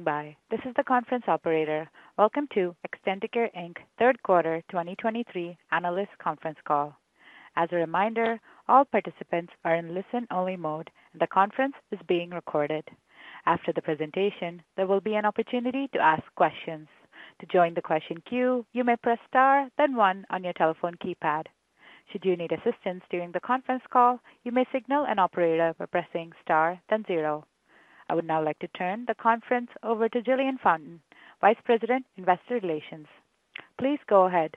by. This is the conference operator. Welcome to Extendicare Inc.'s Third Quarter 2023 Analyst Conference Call. As a reminder, all participants are in listen-only mode, and the conference is being recorded. After the presentation, there will be an opportunity to ask questions. To join the question queue, you may press Star, then one on your telephone keypad. Should you need assistance during the conference call, you may signal an operator by pressing Star, then zero. I would now like to turn the conference over to Jillian Fountain, Vice President, Investor Relations. Please go ahead.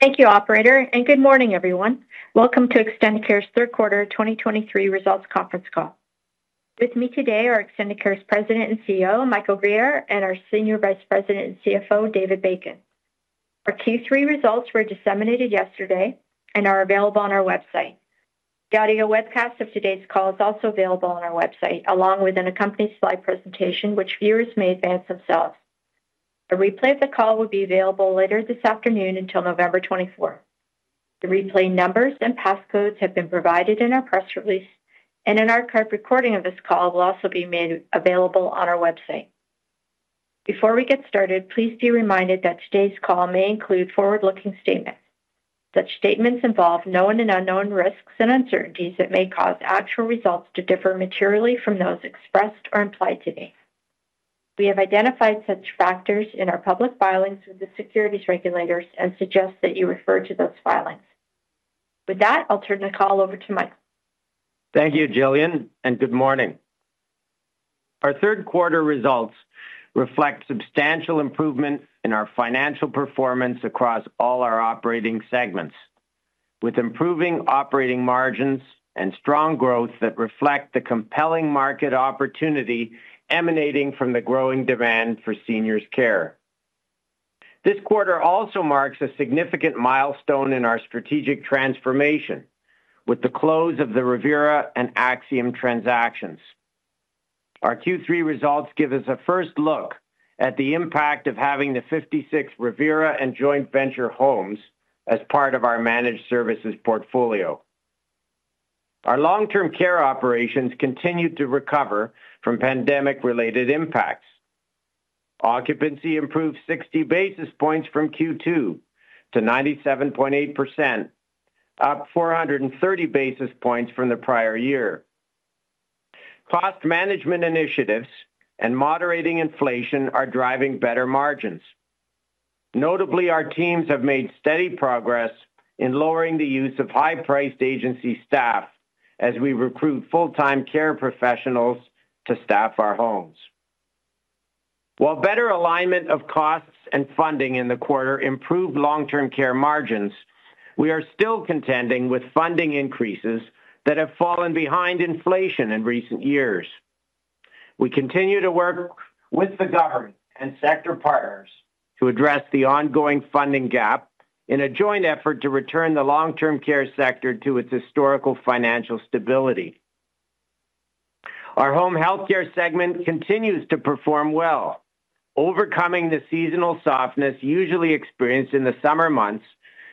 Thank you, operator, and good morning, everyone. Welcome to Extendicare's Third Quarter 2023 Results Conference Call. With me today are Extendicare's President and CEO, Michael Guerriere, and our Senior Vice President and CFO, David Bacon. Our Q3 results were disseminated yesterday and are available on our website. The audio webcast of today's call is also available on our website, along with an accompanying slide presentation, which viewers may advance themselves. A replay of the call will be available later this afternoon until November twenty-fourth. The replay numbers and passcodes have been provided in our press release, and an archive recording of this call will also be made available on our website. Before we get started, please be reminded that today's call may include forward-looking statements. Such statements involve known and unknown risks and uncertainties that may cause actual results to differ materially from those expressed or implied today. We have identified such factors in our public filings with the securities regulators and suggest that you refer to those filings. With that, I'll turn the call over to Mike. Thank you, Jillian, and good morning. Our third quarter results reflect substantial improvement in our financial performance across all our operating segments, with improving operating margins and strong growth that reflect the compelling market opportunity emanating from the growing demand for seniors care. This quarter also marks a significant milestone in our strategic transformation with the close of the Revera and Axium transactions. Our Q3 results give us a first look at the impact of having the 56 Revera and joint venture homes as part of our managed services portfolio. Our long-term care operations continued to recover from pandemic-related impacts. Occupancy improved 60 basis points from Q2 to 97.8%, up 430 basis points from the prior year. Cost management initiatives and moderating inflation are driving better margins. Notably, our teams have made steady progress in lowering the use of high-priced agency staff as we recruit full-time care professionals to staff our homes. While better alignment of costs and funding in the quarter improved long-term care margins, we are still contending with funding increases that have fallen behind inflation in recent years. We continue to work with the government and sector partners to address the ongoing funding gap in a joint effort to return the long-term care sector to its historical financial stability. Our home healthcare segment continues to perform well, overcoming the seasonal softness usually experienced in the summer months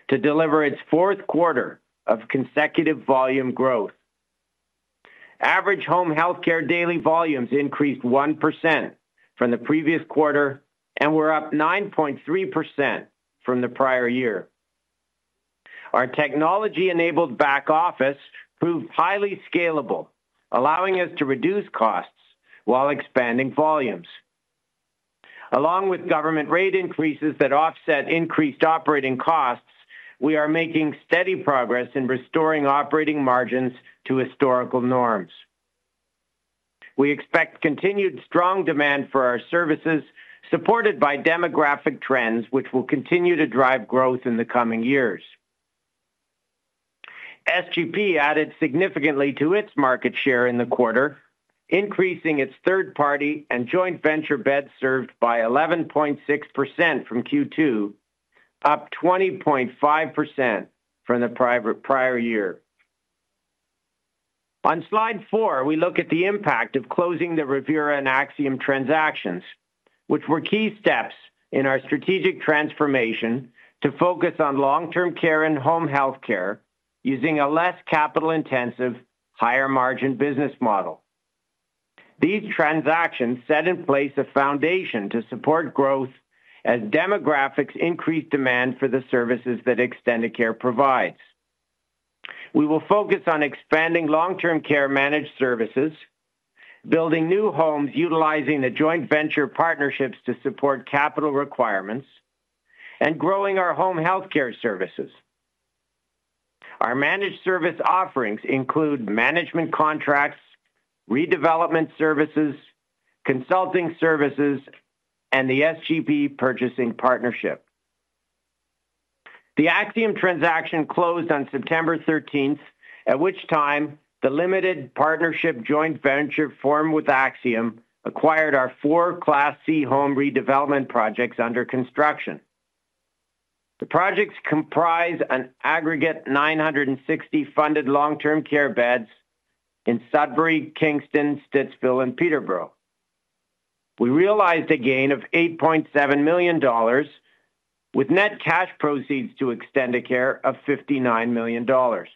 to deliver its fourth quarter of consecutive volume growth. Average home healthcare daily volumes increased 1% from the previous quarter and were up 9.3% from the prior year. Our technology-enabled back office proved highly scalable, allowing us to reduce costs while expanding volumes. Along with government rate increases that offset increased operating costs, we are making steady progress in restoring operating margins to historical norms. We expect continued strong demand for our services, supported by demographic trends, which will continue to drive growth in the coming years. SGP added significantly to its market share in the quarter, increasing its third-party and joint venture beds served by 11.6% from Q2, up 20.5% from the same prior year. On slide four, we look at the impact of closing the Revera and Axium transactions, which were key steps in our strategic transformation to focus on long-term care and home healthcare using a less capital-intensive, higher-margin business model. These transactions set in place a foundation to support growth as demographics increase demand for the services that Extendicare provides. We will focus on expanding long-term care managed services, building new homes, utilizing the joint venture partnerships to support capital requirements, and growing our home healthcare services. Our managed service offerings include management contracts, redevelopment services, consulting services, and the SGP purchasing partnership. The Axium transaction closed on September thirteenth, at which time the limited partnership joint venture formed with Axium acquired our four Class C home redevelopment projects under construction. The projects comprise an aggregate 960 funded long-term care beds in Sudbury, Kingston, Stittsville, and Peterborough. We realized a gain of 8.7 million dollars, with net cash proceeds to Extendicare of 59 million dollars.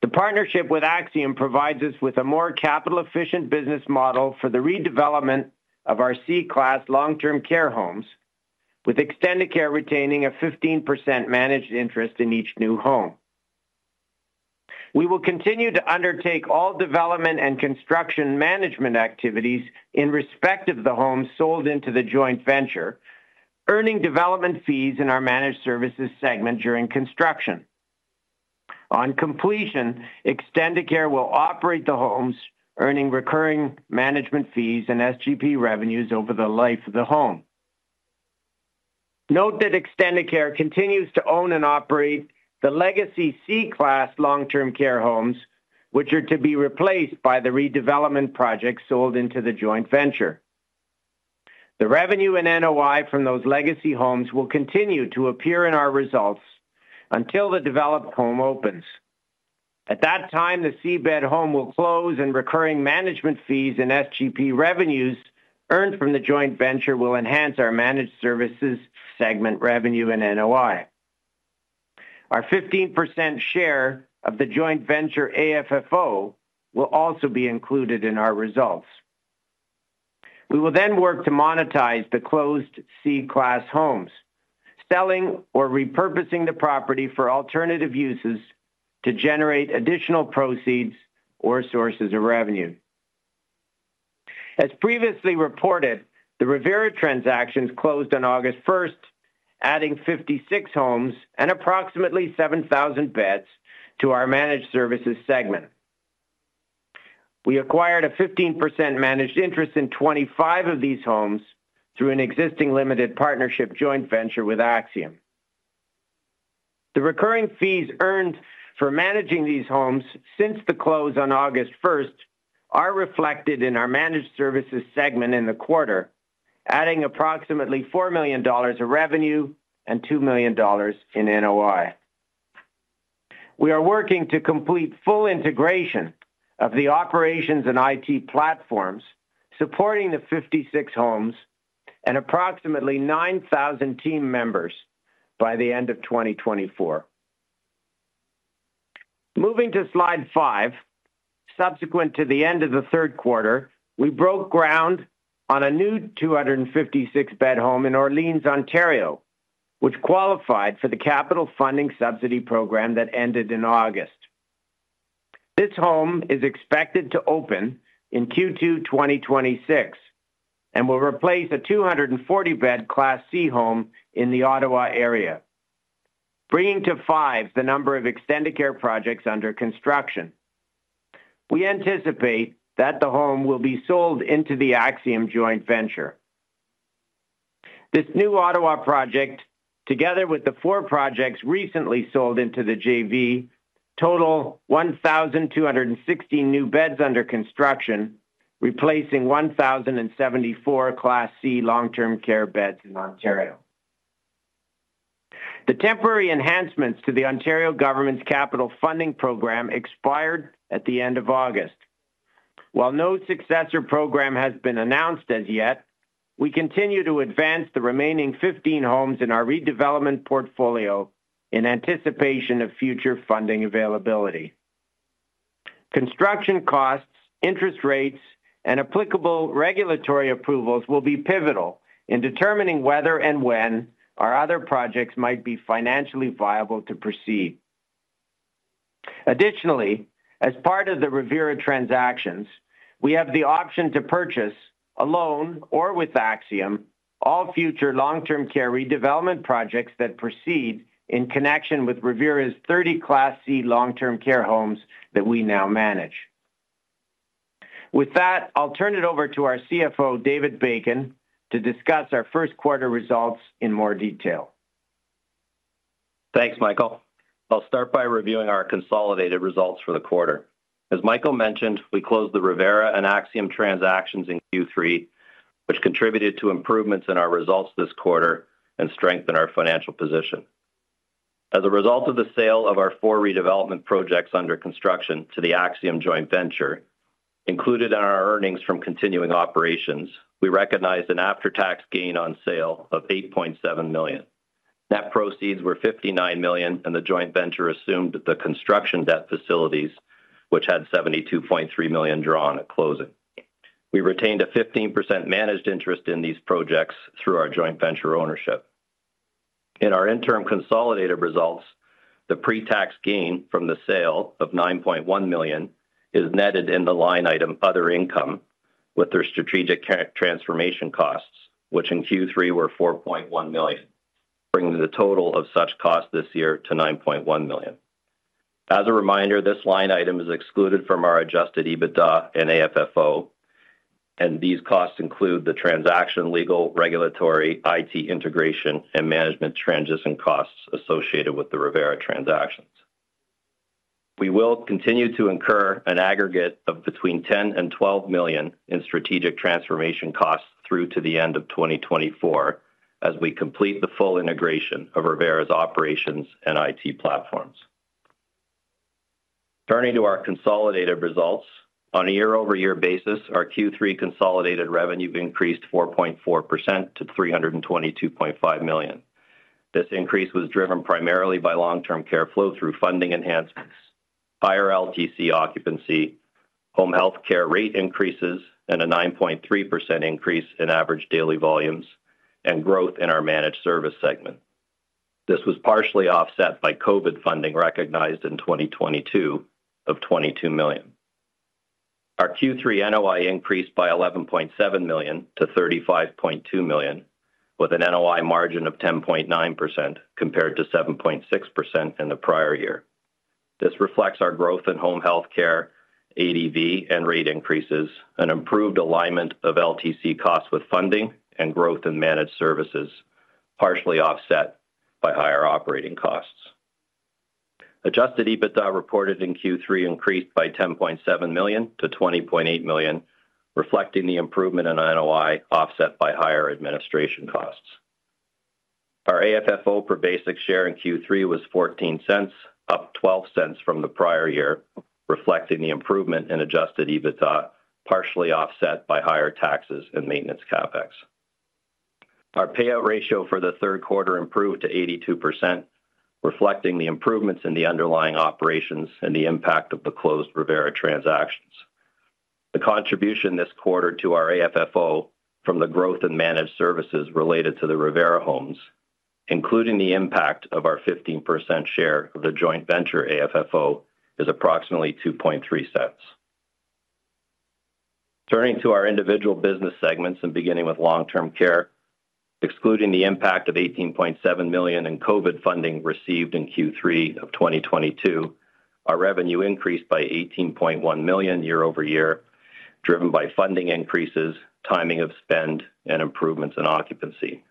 The partnership with Axium provides us with a more capital-efficient business model for the redevelopment of our Class C long-term care homes, with Extendicare retaining a 15% managed interest in each new home. We will continue to undertake all development and construction management activities in respect of the homes sold into the joint venture, earning development fees in our managed services segment during construction. On completion, Extendicare will operate the homes, earning recurring management fees and SGP revenues over the life of the home. Note that Extendicare continues to own and operate the legacy Class C long-term care homes, which are to be replaced by the redevelopment projects sold into the joint venture. The revenue and NOI from those legacy homes will continue to appear in our results until the developed home opens. At that time, the Class C bed home will close, and recurring management fees and SGP revenues earned from the joint venture will enhance our managed services segment revenue and NOI. Our 15% share of the joint venture AFFO will also be included in our results. We will then work to monetize the closed Class C homes, selling or repurposing the property for alternative uses to generate additional proceeds or sources of revenue. As previously reported, the Revera transactions closed on August first, adding 56 homes and approximately 7,000 beds to our managed services segment. We acquired a 15% managed interest in 25 of these homes through an existing limited partnership joint venture with Axium. The recurring fees earned for managing these homes since the close on August first are reflected in our managed services segment in the quarter, adding approximately 4 million dollars of revenue and 2 million dollars in NOI. We are working to complete full integration of the operations and IT platforms, supporting the 56 homes and approximately 9,000 team members by the end of 2024. Moving to slide 5. Subsequent to the end of the third quarter, we broke ground on a new 256-bed home in Orléans, Ontario, which qualified for the capital funding subsidy program that ended in August. This home is expected to open in Q2 2026 and will replace a 240-bed Class C home in the Ottawa area, bringing to five the number of Extendicare projects under construction. We anticipate that the home will be sold into the Axium joint venture. This new Ottawa project, together with the four projects recently sold into the JV, total 1,216 new beds under construction, replacing 1,074 Class C long-term care beds in Ontario. The temporary enhancements to the Ontario government's capital funding program expired at the end of August. While no successor program has been announced as yet, we continue to advance the remaining 15 homes in our redevelopment portfolio in anticipation of future funding availability. Construction costs, interest rates, and applicable regulatory approvals will be pivotal in determining whether and when our other projects might be financially viable to proceed. Additionally, as part of the Revera transactions, we have the option to purchase alone or with Axium, all future long-term care redevelopment projects that proceed in connection with Revera's 30 Class C long-term care homes that we now manage. With that, I'll turn it over to our CFO, David Bacon, to discuss our first quarter results in more detail. Thanks, Michael. I'll start by reviewing our consolidated results for the quarter. As Michael mentioned, we closed the Revera and Axium transactions in Q3, which contributed to improvements in our results this quarter and strengthened our financial position. As a result of the sale of our four redevelopment projects under construction to the Axium joint venture, included in our earnings from continuing operations, we recognized an after-tax gain on sale of 8.7 million. Net proceeds were 59 million, and the joint venture assumed the construction debt facilities, which had 72.3 million drawn at closing. We retained a 15% managed interest in these projects through our joint venture ownership. In our interim consolidated results, the pre-tax gain from the sale of 9.1 million is netted in the line item, other income, with their strategic transformation costs, which in Q3 were 4.1 million, bringing the total of such costs this year to 9.1 million. As a reminder, this line item is excluded from our adjusted EBITDA and AFFO, and these costs include the transaction, legal, regulatory, IT integration, and management transition costs associated with the Revera transactions. We will continue to incur an aggregate of between 10 million and 12 million in strategic transformation costs through to the end of 2024 as we complete the full integration of Revera's operations and IT platforms. Turning to our consolidated results. On a year-over-year basis, our Q3 consolidated revenue increased 4.4% to 322.5 million. This increase was driven primarily by long-term care flow through funding enhancements, higher LTC occupancy, home health care rate increases, and a 9.3% increase in average daily volumes, and growth in our managed service segment. This was partially offset by COVID funding recognized in 2022 of 22 million. Our Q3 NOI increased by 11.7 million-35.2 million, with an NOI margin of 10.9%, compared to 7.6% in the prior year. This reflects our growth in home health care, ADV, and rate increases, an improved alignment of LTC costs with funding, and growth in managed services, partially offset by higher operating costs. Adjusted EBITDA reported in Q3 increased by 10.7 million-20.8 million, reflecting the improvement in NOI, offset by higher administration costs. Our AFFO per basic share in Q3 was 0.14, up 0.12 from the prior year, reflecting the improvement in adjusted EBITDA, partially offset by higher taxes and maintenance CapEx. Our payout ratio for the third quarter improved to 82%, reflecting the improvements in the underlying operations and the impact of the closed Revera transactions. The contribution this quarter to our AFFO from the growth in managed services related to the Revera homes, including the impact of our 15% share of the joint venture AFFO, is approximately 0.023. Turning to our individual business segments and beginning with long-term care, excluding the impact of 18.7 million in COVID funding received in Q3 of 2022, our revenue increased by 18.1 million year-over-year, driven by funding increases, timing of spend, and improvements in occupancy.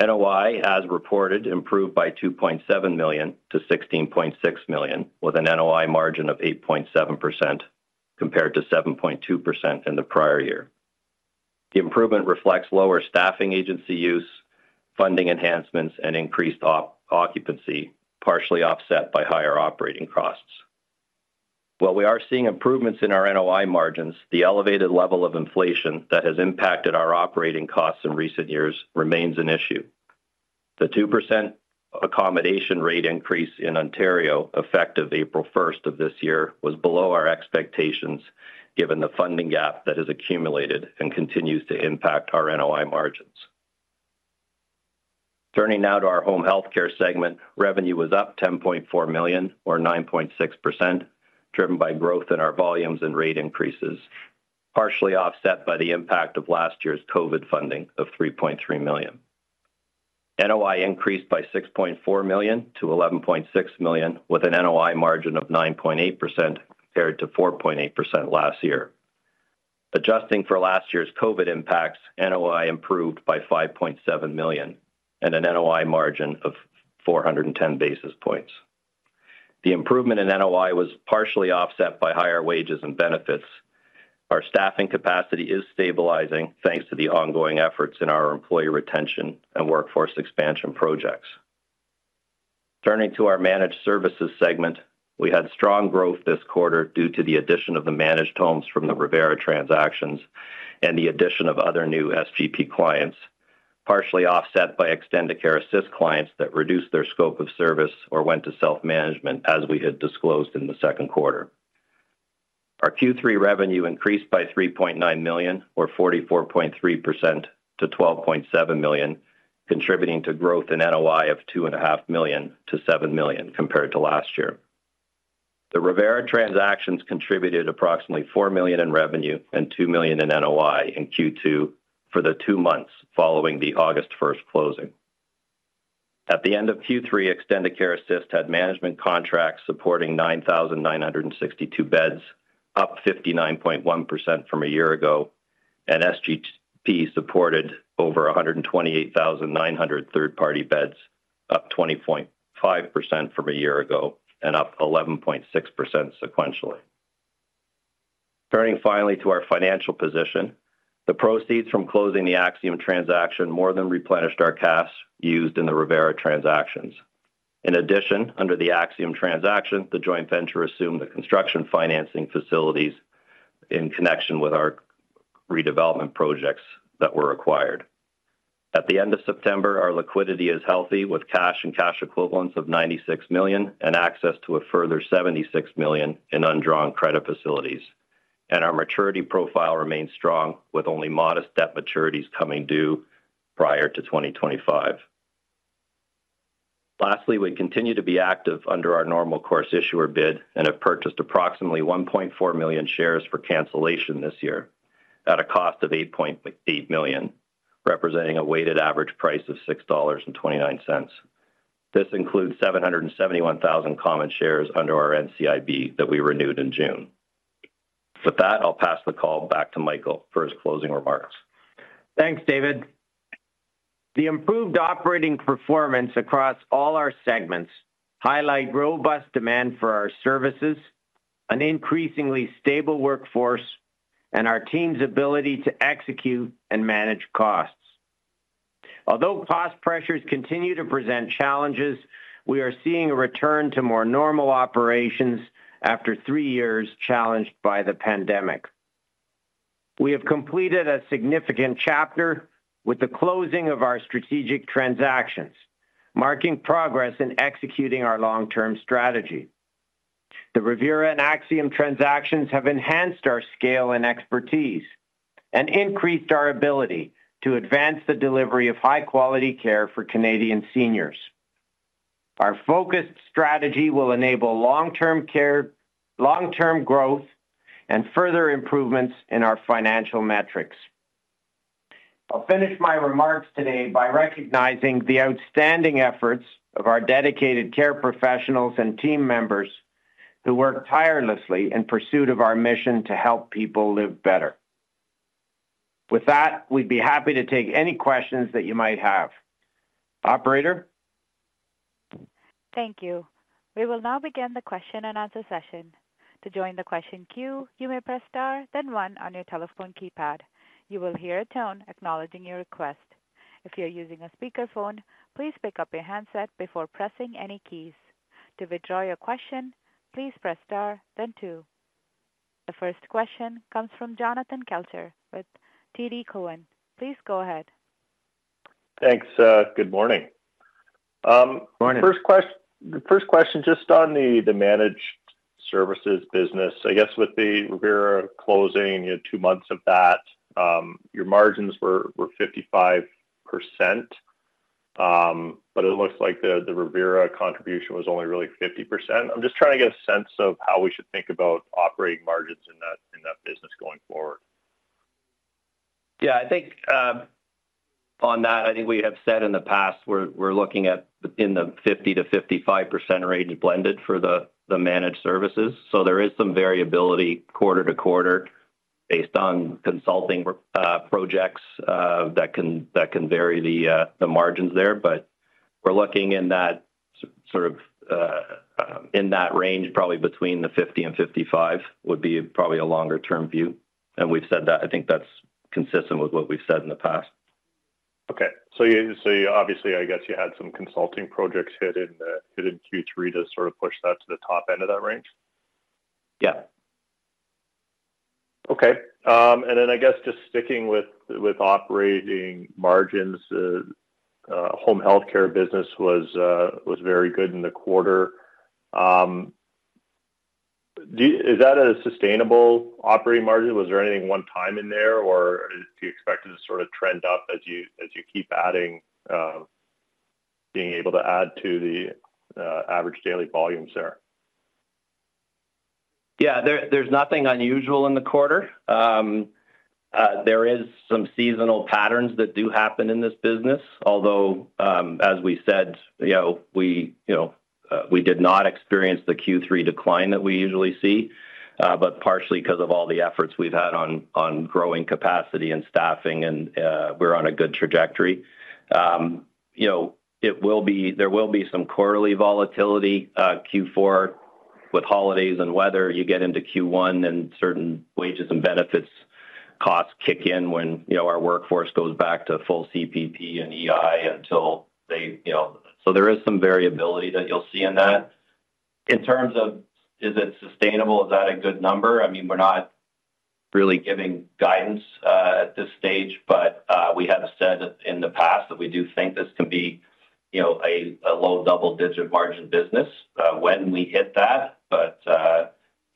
NOI, as reported, improved by 2.7 million-16.6 million, with an NOI margin of 8.7%, compared to 7.2% in the prior year. The improvement reflects lower staffing agency use, funding enhancements, and increased occupancy, partially offset by higher operating costs. While we are seeing improvements in our NOI margins, the elevated level of inflation that has impacted our operating costs in recent years remains an issue. The 2% accommodation rate increase in Ontario, effective April 1 of this year, was below our expectations, given the funding gap that has accumulated and continues to impact our NOI margins. Turning now to our home health care segment. Revenue was up 10.4 million, or 9.6%, driven by growth in our volumes and rate increases, partially offset by the impact of last year's COVID funding of 3.3 million. NOI increased by 6.4 million to 11.6 million, with an NOI margin of 9.8%, compared to 4.8% last year. Adjusting for last year's COVID impacts, NOI improved by 5.7 million and an NOI margin of 410 basis points. The improvement in NOI was partially offset by higher wages and benefits. Our staffing capacity is stabilizing, thanks to the ongoing efforts in our employee retention and workforce expansion projects. Turning to our managed services segment, we had strong growth this quarter due to the addition of the managed homes from the Revera transactions and the addition of other new SGP clients, partially offset by Extendicare Assist clients that reduced their scope of service or went to self-management, as we had disclosed in the second quarter. Our Q3 revenue increased by 3.9 million, or 44.3% to 12.7 million, contributing to growth in NOI of 2.5 million to 7 million compared to last year. The Revera transactions contributed approximately 4 million in revenue and 2 million in NOI in Q2 for the two months following the August first closing. At the end of Q3, Extendicare Assist had management contracts supporting 9,962 beds, up 59.1% from a year ago, and SGP supported over 128,900 third-party beds, up 20.5% from a year ago and up 11.6% sequentially. Turning finally to our financial position. The proceeds from closing the Axium transaction more than replenished our cash used in the Revera transactions. In addition, under the Axium transaction, the joint venture assumed the construction financing facilities in connection with our redevelopment projects that were acquired. At the end of September, our liquidity is healthy, with cash and cash equivalents of 96 million and access to a further 76 million in undrawn credit facilities, and our maturity profile remains strong, with only modest debt maturities coming due prior to 2025. Lastly, we continue to be active under our normal course issuer bid and have purchased approximately 1.4 million shares for cancellation this year at a cost of 8.8 million, representing a weighted average price of 6.29 dollars. This includes 771,000 common shares under our NCIB that we renewed in June. With that, I'll pass the call back to Michael for his closing remarks. Thanks, David. The improved operating performance across all our segments highlights robust demand for our services, an increasingly stable workforce, and our team's ability to execute and manage costs.... Although cost pressures continue to present challenges, we are seeing a return to more normal operations after three years challenged by the pandemic. We have completed a significant chapter with the closing of our strategic transactions, marking progress in executing our long-term strategy. The Revera and Axium transactions have enhanced our scale and expertise and increased our ability to advance the delivery of high-quality care for Canadian seniors. Our focused strategy will enable long-term care, long-term growth, and further improvements in our financial metrics. I'll finish my remarks today by recognizing the outstanding efforts of our dedicated care professionals and team members, who work tirelessly in pursuit of our mission to help people live better. With that, we'd be happy to take any questions that you might have. Operator? Thank you. We will now begin the question-and-answer session. To join the question queue, you may press Star, then One on your telephone keypad. You will hear a tone acknowledging your request. If you're using a speakerphone, please pick up your handset before pressing any keys. To withdraw your question, please press Star then Two. The first question comes from Jonathan Kelcher with TD Cowen. Please go ahead. Thanks, good morning. Morning. First question, just on the managed services business. I guess with the Revera closing, you had two months of that, your margins were 55%. But it looks like the Revera contribution was only really 50%. I'm just trying to get a sense of how we should think about operating margins in that business going forward. Yeah, I think on that, I think we have said in the past, we're looking at in the 50%-55% range blended for the managed services. So there is some variability quarter to quarter based on consulting projects that can vary the margins there. But we're looking in that sort of in that range, probably between the 50% and 55%, would be probably a longer term view, and we've said that. I think that's consistent with what we've said in the past. Okay. So you, so obviously, I guess you had some consulting projects hit in, hit in Q3 to sort of push that to the top end of that range? Yeah. Okay. And then I guess just sticking with operating margins, home healthcare business was very good in the quarter. Do you—is that a sustainable operating margin? Was there anything one time in there, or do you expect it to sort of trend up as you keep adding, being able to add to the average daily volumes there? Yeah, there's nothing unusual in the quarter. There is some seasonal patterns that do happen in this business, although, as we said, you know, we did not experience the Q3 decline that we usually see, but partially because of all the efforts we've had on growing capacity and staffing, and we're on a good trajectory. You know, it will be - there will be some quarterly volatility, Q4 with holidays and weather. You get into Q1 and certain wages and benefits costs kick in when, you know, our workforce goes back to full CPP and EI until they, you know. So there is some variability that you'll see in that. In terms of is it sustainable, is that a good number? I mean, we're not really giving guidance at this stage, but we have said in the past that we do think this can be, you know, a low double-digit margin business when we hit that. But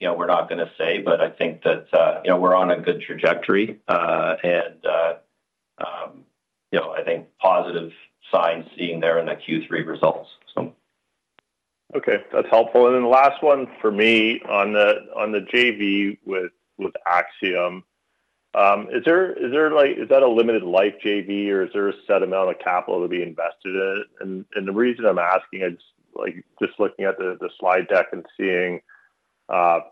you know, we're not gonna say, but I think that you know, we're on a good trajectory. And you know, I think positive signs seen there in the Q3 results, so. Okay, that's helpful. And then the last one for me on the JV with Axium. Is there, is there, like-- is that a limited life JV, or is there a set amount of capital to be invested in it? And the reason I'm asking is, like, just looking at the slide deck and seeing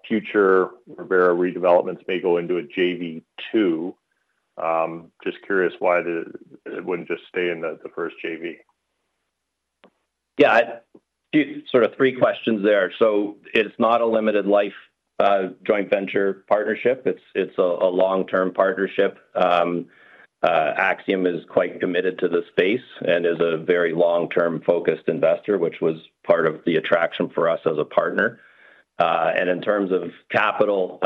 future Revera redevelopments may go into a JV two. Just curious why it wouldn't just stay in the first JV. Yeah, sort of three questions there. So it's not a limited life joint venture partnership. It's a long-term partnership. Axium is quite committed to this space and is a very long-term focused investor, which was part of the attraction for us as a partner. And in terms of capital,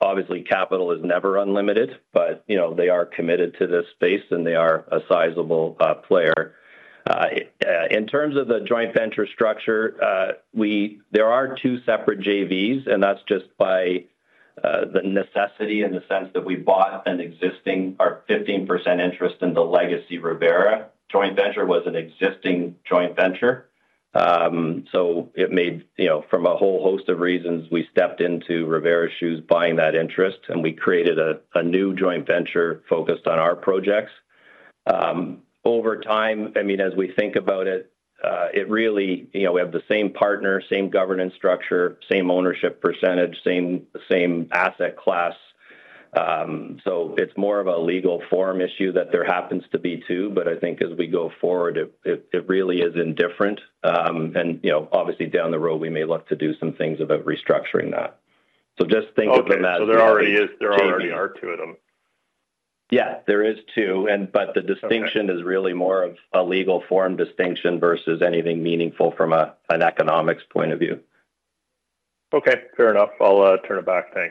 obviously capital is never unlimited, but you know, they are committed to this space, and they are a sizable player. In terms of the joint venture structure, there are two separate JVs, and that's just by the necessity in the sense that we bought an existing 15% interest in the legacy Revera joint venture, which was an existing joint venture. So it made, you know, from a whole host of reasons, we stepped into Revera's shoes buying that interest, and we created a new joint venture focused on our projects. Over time, I mean, as we think about it, it really, you know, we have the same partner, same governance structure, same ownership percentage, same, same asset class. So it's more of a legal form issue that there happens to be two, but I think as we go forward, it really is indifferent. And, you know, obviously, down the road, we may look to do some things about restructuring that. So just think of them as- Okay. So there already are two of them. Yeah, there is two, and, but the distinction- Okay... is really more of a legal form distinction versus anything meaningful from an economics point of view. Okay, fair enough. I'll turn it back. Thanks.